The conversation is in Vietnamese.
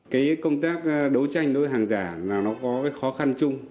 cái công tác đấu tranh với hàng giả là nó có cái khó khăn chung